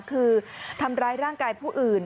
คือทำร้ายร่างกายผู้อื่น